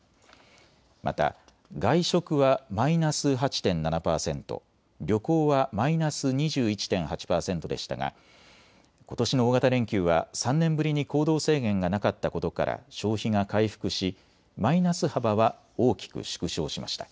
また外食はマイナス８．７％、旅行はマイナス２１．８％でしたがことしの大型連休は３年ぶりに行動制限がなかったことから消費が回復しマイナス幅は大きく縮小しました。